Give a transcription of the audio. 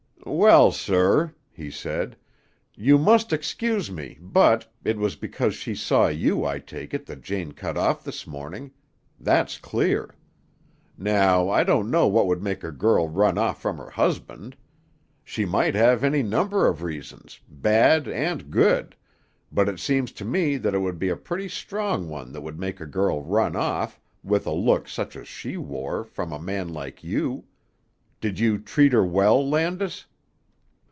"Well, sir," he said, "you must excuse me, but it was because she saw you, I take it, that Jane cut off this morning. That's clear. Now, I don't know what would make a girl run off from her husband. She might have any number of reasons, bad and good, but it seems to me that it would be a pretty strong one that would make a girl run off, with a look such as she wore, from a man like you. Did you treat her well, Landis?"